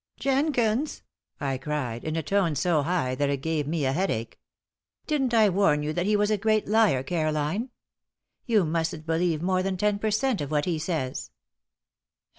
"Jenkins?" I cried; in a tone so high that it gave me a headache. "Didn't I warn you that he was a great liar, Caroline? You mustn't believe more than ten per cent. of what he says."